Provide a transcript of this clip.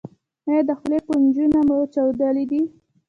ایا د خولې کنجونه مو چاودلي دي؟